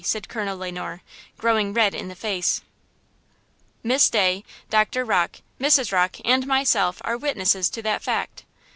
said Colonel Le Noir, growing red in the face. "Miss Day, Doctor Rocke, Mrs. Rocke, and myself are witnesses to that fact."